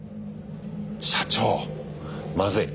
社長まずい！